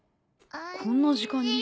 こんな時間に。